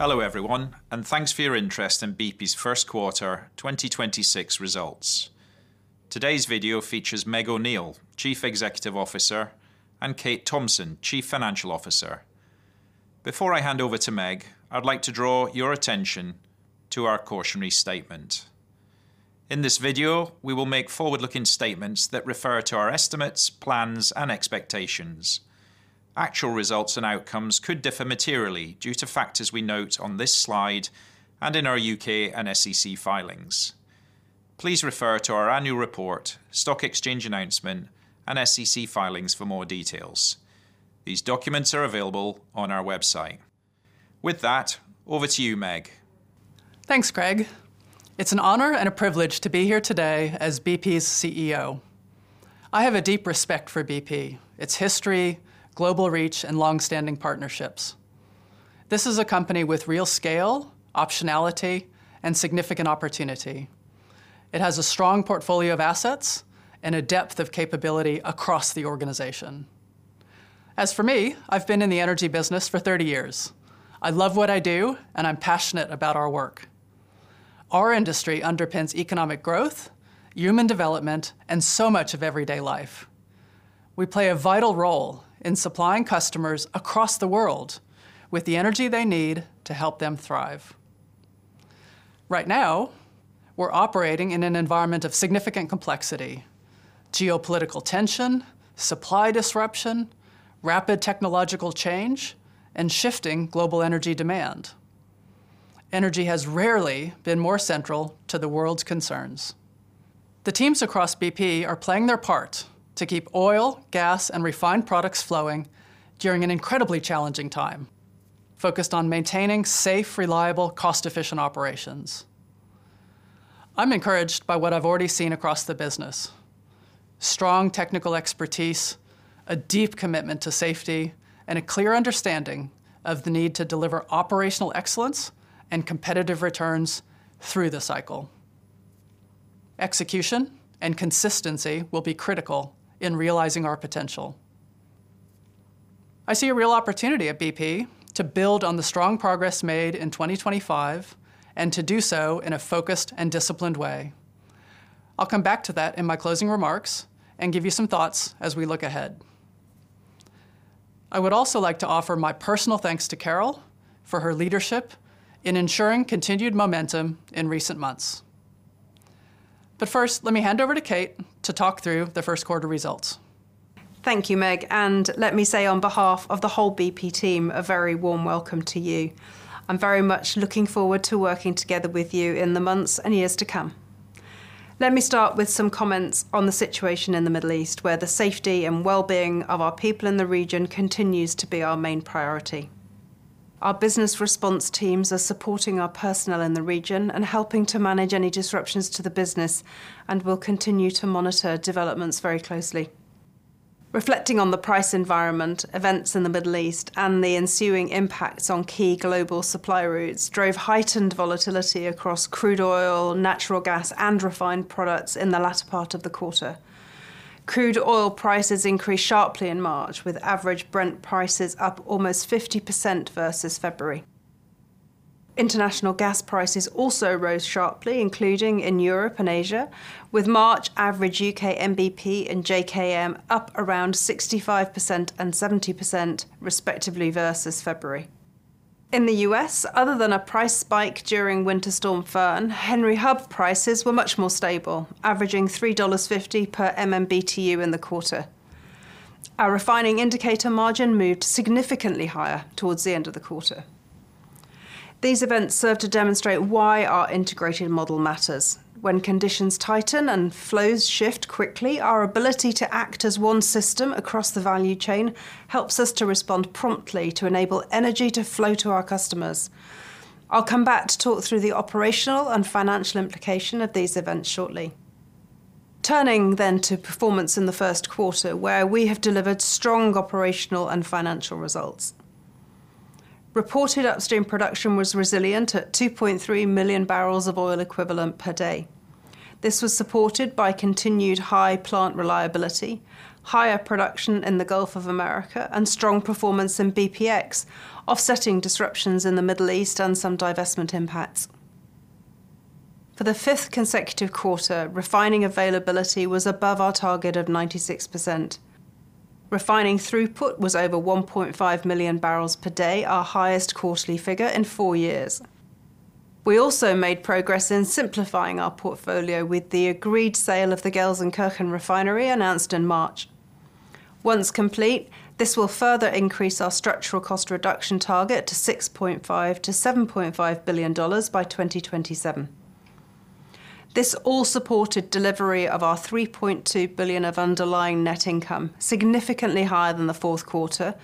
Hello everyone, and thanks for your interest in BP's first quarter 2026 results. Today's video features Meg O'Neill, Chief Executive Officer, and Kate Thomson, Chief Financial Officer. Before I hand over to Meg, I'd like to draw your attention to our cautionary statement. In this video, we will make forward-looking statements that refer to our estimates, plans, and expectations. Actual results and outcomes could differ materially due to factors we note on this slide and in our U.K. and SEC filings. Please refer to our annual report, stock exchange announcement, and SEC filings for more details. These documents are available on our website. With that, over to you, Meg. Thanks, Craig. It's an honor and a privilege to be here today as BP's CEO. I have a deep respect for BP, its history, global reach, and long-standing partnerships. This is a company with real scale, optionality, and significant opportunity. It has a strong portfolio of assets and a depth of capability across the organization. As for me, I've been in the energy business for 30 years. I love what I do, and I'm passionate about our work. Our industry underpins economic growth, human development, and so much of everyday life. We play a vital role in supplying customers across the world with the energy they need to help them thrive. Right now, we're operating in an environment of significant complexity: geopolitical tension, supply disruption, rapid technological change, and shifting global energy demand. Energy has rarely been more central to the world's concerns. The teams across BP are playing their part to keep oil, gas, and refined products flowing during an incredibly challenging time, focused on maintaining safe, reliable, cost-efficient operations. I'm encouraged by what I've already seen across the business, strong technical expertise, a deep commitment to safety, and a clear understanding of the need to deliver operational excellence and competitive returns through the cycle. Execution and consistency will be critical in realizing our potential. I see a real opportunity at BP to build on the strong progress made in 2025 and to do so in a focused and disciplined way. I'll come back to that in my closing remarks and give you some thoughts as we look ahead. I would also like to offer my personal thanks to Carol for her leadership in ensuring continued momentum in recent months. First, let me hand over to Kate to talk through the first quarter results. Thank you, Meg, and let me say on behalf of the whole BP team, a very warm welcome to you. I'm very much looking forward to working together with you in the months and years to come. Let me start with some comments on the situation in the Middle East, where the safety and well-being of our people in the region continues to be our main priority. Our business response teams are supporting our personnel in the region and helping to manage any disruptions to the business and will continue to monitor developments very closely. Reflecting on the price environment, events in the Middle East and the ensuing impacts on key global supply routes drove heightened volatility across crude oil, natural gas, and refined products in the latter part of the quarter. Crude oil prices increased sharply in March, with average Brent prices up almost 50% versus February. International gas prices also rose sharply, including in Europe and Asia, with March average U.K. NBP and JKM up around 65% and 70% respectively versus February. In the U.S., other than a price spike during Winter Storm Fern, Henry Hub prices were much more stable, averaging $3.50 per MMBtu in the quarter. Our Refining Indicator Margin moved significantly higher towards the end of the quarter. These events serve to demonstrate why our integrated model matters. When conditions tighten and flows shift quickly, our ability to act as one system across the value chain helps us to respond promptly to enable energy to flow to our customers. I'll come back to talk through the operational and financial implication of these events shortly. Turning to performance in the first quarter, where we have delivered strong operational and financial results. Reported upstream production was resilient at 2.3 million barrels of oil equivalent per day. This was supported by continued high plant reliability, higher production in the Gulf of America, and strong performance in BPX, offsetting disruptions in the Middle East and some divestment impacts. For the fifth consecutive quarter, refining availability was above our target of 96%. Refining throughput was over 1.5 million barrels per day, our highest quarterly figure in four years. We also made progress in simplifying our portfolio with the agreed sale of the Gelsenkirchen refinery announced in March. Once complete, this will further increase our structural cost reduction target to $6.5 billion- $7.5 billion by 2027. This all supported delivery of our $3.2 billion of underlying net income, significantly higher than the fourth quarter,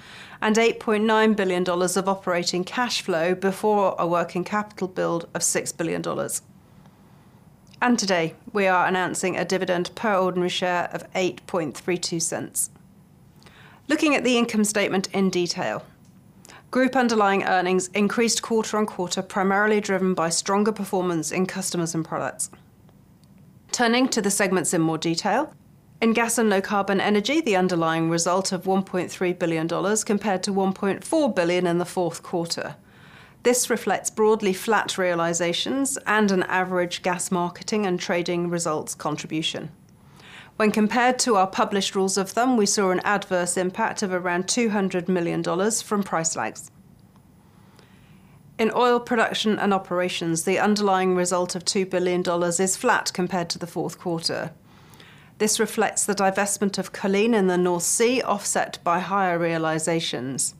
and $8.9 billion of operating cash flow before a working capital build of $6 billion. Today, we are announcing a dividend per ordinary share of $0.0832. Looking at the income statement in detail. Group underlying earnings increased quarter-on-quarter, primarily driven by stronger performance in Customers & Products. Turning to the segments in more detail. In Gas & Low Carbon Energy, the underlying result of $1.3 billion compared to $1.4 billion in the fourth quarter. This reflects broadly flat realizations and an average gas marketing and trading results contribution. When compared to our published rules of thumb, we saw an adverse impact of around $200 million from price lags. In Oil Production & Operations, the underlying result of $2 billion is flat compared to the fourth quarter. This reflects the divestment of Coleen in the North Sea, offset by higher realizations.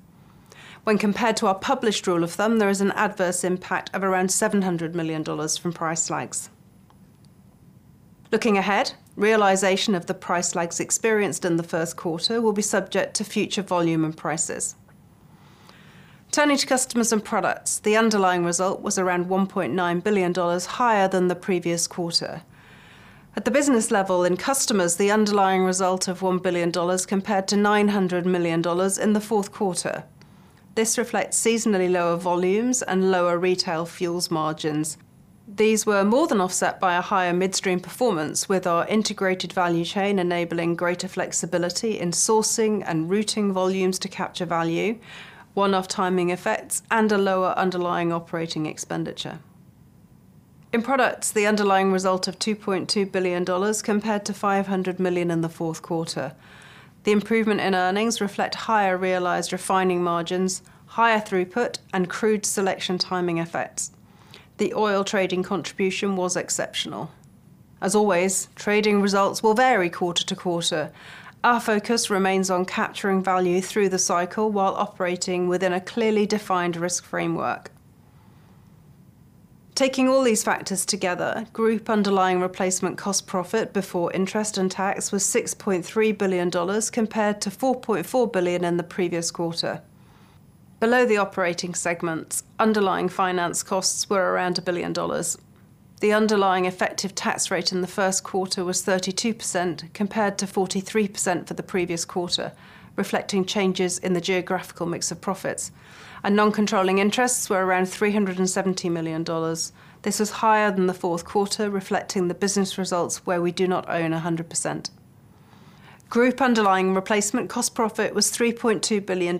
When compared to our published rule of thumb, there is an adverse impact of around $700 million from price lags. Looking ahead, realization of the price lags experienced in the first quarter will be subject to future volume and prices. Turning to Customers & Products. The underlying result was around $1.9 billion higher than the previous quarter. At the business level in Customers, the underlying result of $1 billion compared to $900 million in the fourth quarter. This reflects seasonally lower volumes and lower retail fuels margins. These were more than offset by a higher midstream performance, with our integrated value chain enabling greater flexibility in sourcing and routing volumes to capture value, one-off timing effects, and a lower underlying operating expenditure. In products, the underlying result was $2.2 billion compared to $500 million in the fourth quarter. The improvement in earnings reflect higher realized refining margins, higher throughput, and crude selection timing effects. The oil trading contribution was exceptional. As always, trading results will vary quarter to quarter. Our focus remains on capturing value through the cycle while operating within a clearly defined risk framework. Taking all these factors together, group underlying replacement cost profit before interest and tax was $6.3 billion compared to $4.4 billion in the previous quarter. Below the operating segments, underlying finance costs were around $1 billion. The underlying effective tax rate in the first quarter was 32% compared to 43% for the previous quarter, reflecting changes in the geographical mix of profits. Non-controlling interests were around $370 million. This is higher than the fourth quarter, reflecting the business results where we do not own a 100%. Group underlying replacement cost profit was $3.2 billion,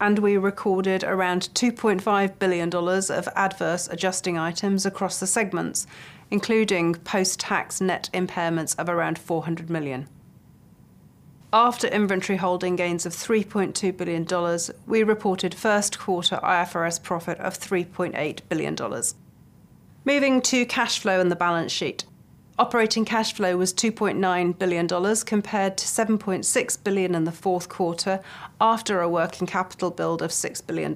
and we recorded around $2.5 billion of adverse adjusting items across the segments, including post-tax net impairments of around $400 million. After inventory holding gains of $3.2 billion, we reported first quarter IFRS profit of $3.8 billion. Moving to cash flow and the balance sheet. Operating cash flow was $2.9 billion compared to $7.6 billion in the fourth quarter after a working capital build of $6 billion.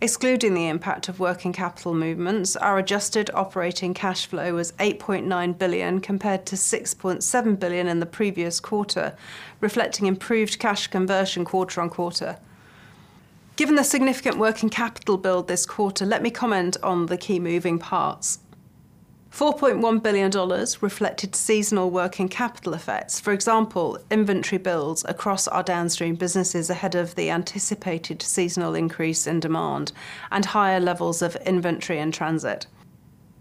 Excluding the impact of working capital movements, our adjusted operating cash flow was $8.9 billion compared to $6.7 billion in the previous quarter, reflecting improved cash conversion quarter-on-quarter. Given the significant working capital build this quarter, let me comment on the key moving parts. $4.1 billion reflected seasonal working capital effects. For example, inventory builds across our downstream businesses ahead of the anticipated seasonal increase in demand and higher levels of inventory in transit.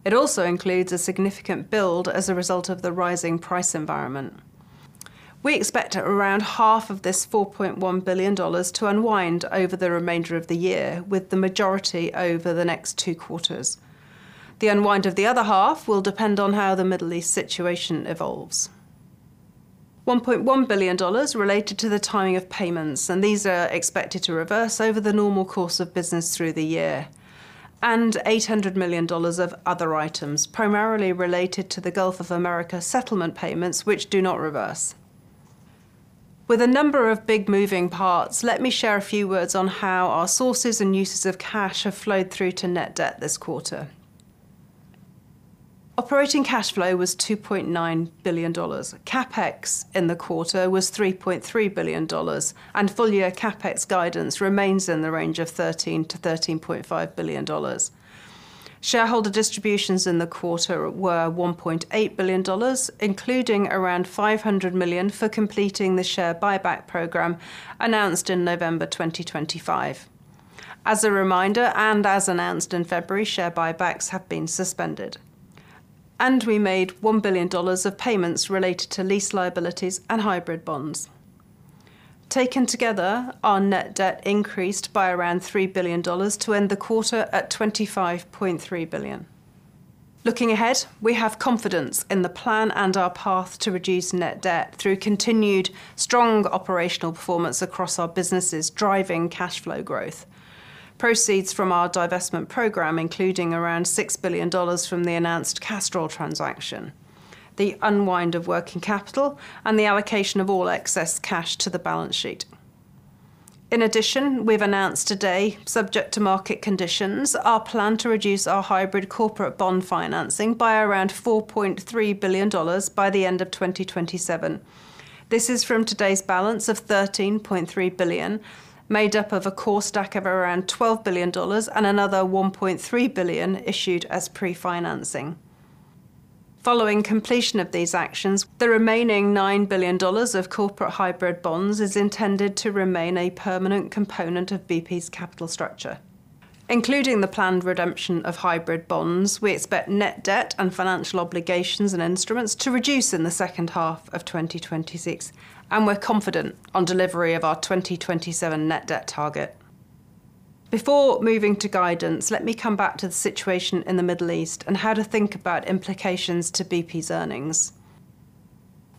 It also includes a significant build as a result of the rising price environment. We expect around half of this $4.1 billion to unwind over the remainder of the year, with the majority over the next two quarters. The unwind of the other half will depend on how the Middle East situation evolves. $1.1 billion related to the timing of payments, and these are expected to reverse over the normal course of business through the year. $800 million of other items, primarily related to the Gulf of Mexico settlement payments, which do not reverse. With a number of big moving parts, let me share a few words on how our sources and uses of cash have flowed through to net debt this quarter. Operating cash flow was $2.9 billion. CapEx in the quarter was $3.3 billion, and full year CapEx guidance remains in the range of $13 billion-$13.5 billion. Shareholder distributions in the quarter were $1.8 billion, including around $500 million for completing the share buyback program announced in November 2025. As a reminder, and as announced in February, share buybacks have been suspended. We made $1 billion of payments related to lease liabilities and hybrid bonds. Taken together, our net debt increased by around $3 billion to end the quarter at $25.3 billion. Looking ahead, we have confidence in the plan and our path to reduce net debt through continued strong operational performance across our businesses driving cash flow growth. Proceeds from our divestment program, including around $6 billion from the announced Castrol transaction, the unwind of working capital, and the allocation of all excess cash to the balance sheet. In addition, we've announced today, subject to market conditions, our plan to reduce our hybrid corporate bond financing by around $4.3 billion by the end of 2027. This is from today's balance of $13.3 billion, made up of a core stack of around $12 billion and another $1.3 billion issued as pre-financing. Following completion of these actions, the remaining $9 billion of corporate hybrid bonds is intended to remain a permanent component of BP's capital structure. Including the planned redemption of hybrid bonds, we expect net debt and financial obligations and instruments to reduce in the second half of 2026, and we're confident on delivery of our 2027 net debt target. Before moving to guidance, let me come back to the situation in the Middle East and how to think about implications to BP's earnings.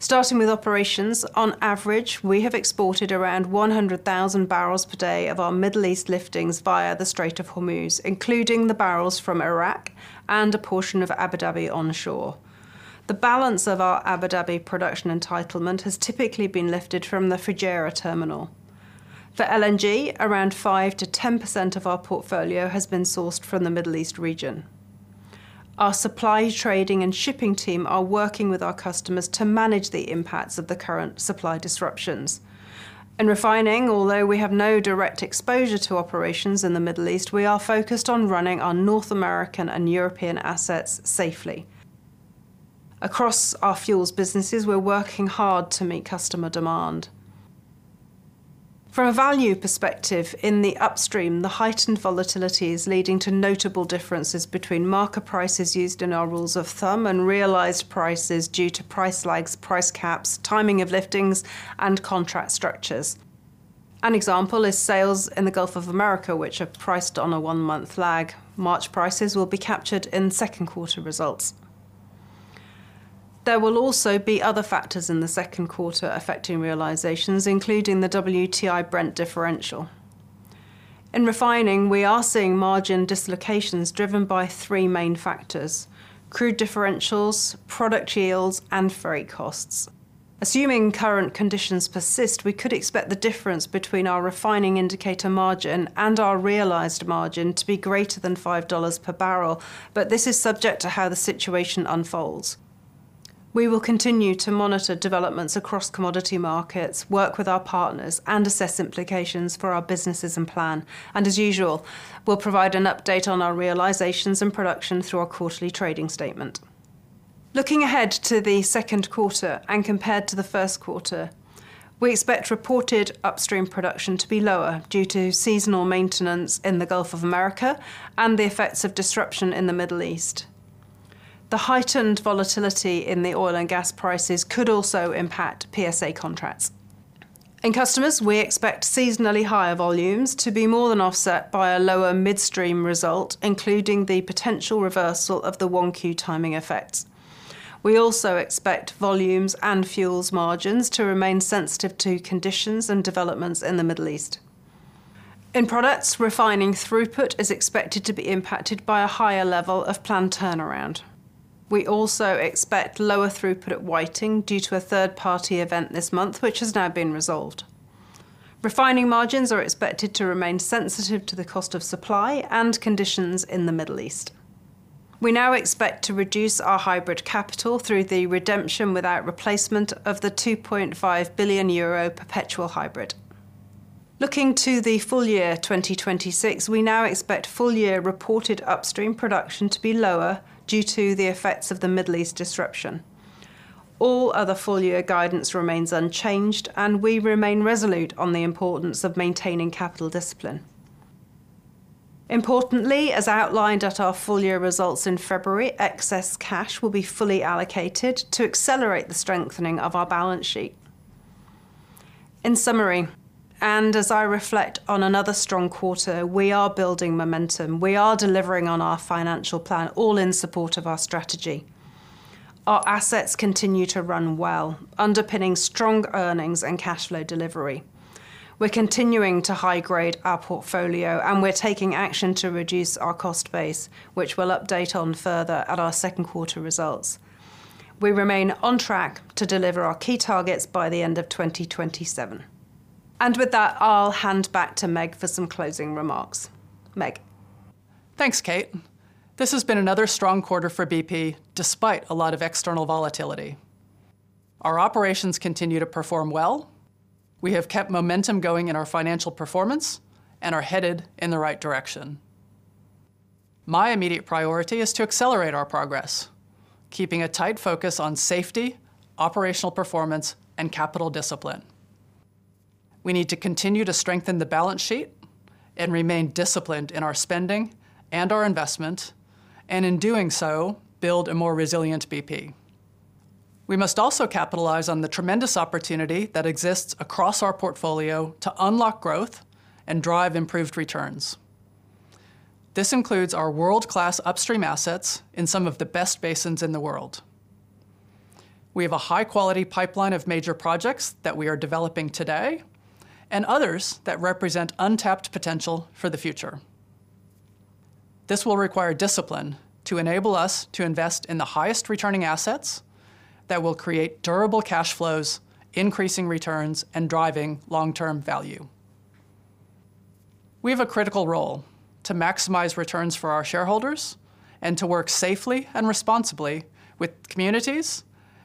Starting with operations, on average, we have exported around 100,000 barrels per day of our Middle East liftings via the Strait of Hormuz, including the barrels from Iraq and a portion of Abu Dhabi onshore. The balance of our Abu Dhabi production entitlement has typically been lifted from the Fujairah terminal. For LNG, around 5%-10% of our portfolio has been sourced from the Middle East region. Our supply, trading, and shipping team are working with our customers to manage the impacts of the current supply disruptions. In refining, although we have no direct exposure to operations in the Middle East, we are focused on running our North American and European assets safely. Across our fuels businesses, we're working hard to meet customer demand. From a value perspective, in the upstream, the heightened volatility is leading to notable differences between market prices used in our rules of thumb and realized prices due to price lags, price caps, timing of liftings, and contract structures. An example is sales in the Gulf of America, which are priced on a one-month lag. March prices will be captured in second quarter results. There will also be other factors in the second quarter affecting realizations, including the WTI Brent differential. In refining, we are seeing margin dislocations driven by three main factors, crude differentials, product yields, and freight costs. Assuming current conditions persist, we could expect the difference between our Refining Indicator Margin and our realized margin to be greater than $5 per barrel, but this is subject to how the situation unfolds. We will continue to monitor developments across commodity markets, work with our partners, and assess implications for our businesses and plan. As usual, we'll provide an update on our realizations and production through our quarterly trading statement. Looking ahead to the second quarter and compared to the first quarter, we expect reported upstream production to be lower due to seasonal maintenance in the Gulf of America and the effects of disruption in the Middle East. The heightened volatility in the oil and gas prices could also impact PSA contracts. In Customers, we expect seasonally higher volumes to be more than offset by a lower midstream result, including the potential reversal of the Q1 timing effect. We also expect volumes and fuels margins to remain sensitive to conditions and developments in the Middle East. In Products, refining throughput is expected to be impacted by a higher level of planned turnaround. We also expect lower throughput at Whiting due to a third-party event this month, which has now been resolved. Refining margins are expected to remain sensitive to the cost of supply and conditions in the Middle East. We now expect to reduce our hybrid capital through the redemption without replacement of the 2.5 billion euro perpetual hybrid. Looking to the full year 2026, we now expect full-year reported upstream production to be lower due to the effects of the Middle East disruption. All other full-year guidance remains unchanged, and we remain resolute on the importance of maintaining capital discipline. Importantly, as outlined at our full-year results in February, excess cash will be fully allocated to accelerate the strengthening of our balance sheet. In summary, as I reflect on another strong quarter, we are building momentum. We are delivering on our financial plan, all in support of our strategy. Our assets continue to run well, underpinning strong earnings and cash flow delivery. We're continuing to high-grade our portfolio, and we're taking action to reduce our cost base, which we'll update on further at our second quarter results. We remain on track to deliver our key targets by the end of 2027. With that, I'll hand back to Meg for some closing remarks. Meg. Thanks, Kate. This has been another strong quarter for BP, despite a lot of external volatility. Our operations continue to perform well. We have kept momentum going in our financial performance and are headed in the right direction. My immediate priority is to accelerate our progress, keeping a tight focus on safety, operational performance, and capital discipline. We need to continue to strengthen the balance sheet and remain disciplined in our spending and our investment, and in doing so, build a more resilient BP. We must also capitalize on the tremendous opportunity that exists across our portfolio to unlock growth and drive improved returns. This includes our world-class upstream assets in some of the best basins in the world. We have a high-quality pipeline of major projects that we are developing today and others that represent untapped potential for the future. This will require discipline to enable us to invest in the highest returning assets that will create durable cash flows, increasing returns, and driving long-term value. We have a critical role to maximize returns for our shareholders and to work safely and responsibly with communities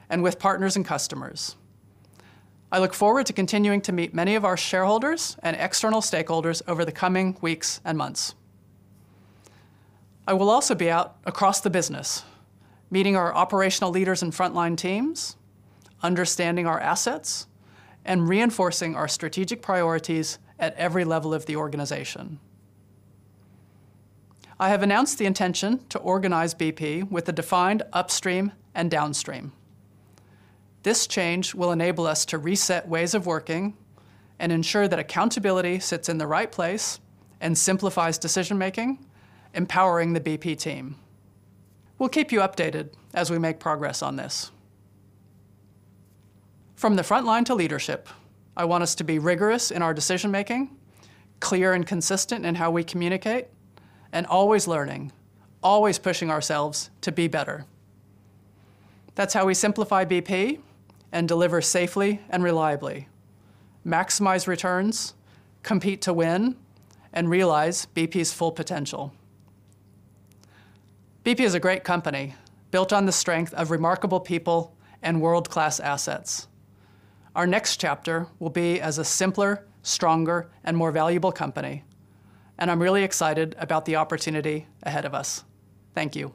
and with partners and customers. I look forward to continuing to meet many of our shareholders and external stakeholders over the coming weeks and months. I will also be out across the business, meeting our operational leaders and frontline teams, understanding our assets, and reinforcing our strategic priorities at every level of the organization. I have announced the intention to organize BP with a defined upstream and downstream. This change will enable us to reset ways of working and ensure that accountability sits in the right place and simplifies decision-making, empowering the BP team. We'll keep you updated as we make progress on this. From the front line to leadership, I want us to be rigorous in our decision making, clear and consistent in how we communicate, and always learning, always pushing ourselves to be better. That's how we simplify BP and deliver safely and reliably, maximize returns, compete to win, and realize BP's full potential. BP is a great company built on the strength of remarkable people and world-class assets. Our next chapter will be as a simpler, stronger, and more valuable company, and I'm really excited about the opportunity ahead of us. Thank you.